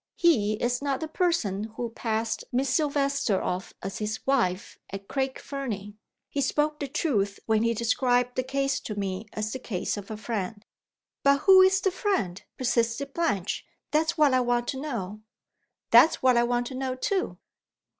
"He is not the person who passed Miss Silvester off as his wife at Craig Fernie. He spoke the truth when he described the case to me as the case of a friend." "But who is the friend?" persisted Blanche. "That's what I want to know." "That's what I want to know, too."